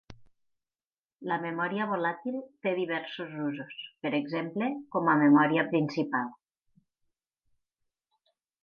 La memòria volàtil té diversos usos, per exemple, com a memòria principal.